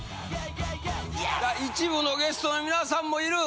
１部のゲストの皆さんもいる。